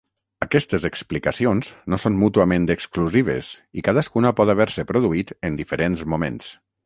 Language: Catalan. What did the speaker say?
Aquestes explicacions no són mútuament exclusives i cadascuna pot haver-se produït en diferents moments.